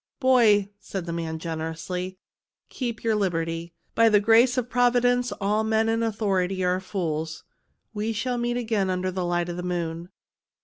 "Boy," said the man generously, "keep your liberty. By grace of Providence, all men in authority are fools. We shall meet again under the light of the moon."